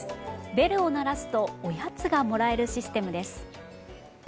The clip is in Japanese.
ベルを鳴らすとおやつがもらえるシステムです。